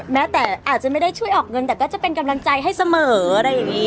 แม้แต่อาจจะไม่ได้ช่วยออกเงินแต่ก็จะเป็นกำลังใจให้เสมออะไรอย่างนี้